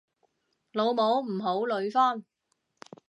老母唔好呂方